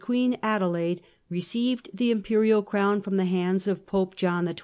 Queen, Adelaide, received the Imperial crown from the Emperor hands of Popc John XII.